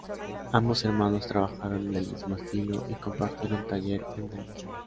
Ambos hermanos trabajaron en el mismo estilo y compartieron taller en Delft.